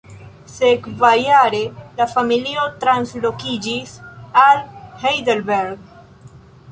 Sekvajare, la familio translokiĝis al Heidelberg.